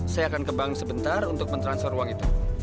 saya akan ke bank sebentar untuk mentransfer uang itu